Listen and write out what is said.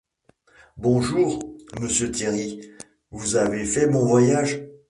Bonjour, monsieur Thierry, vous avez fait bon voyage ?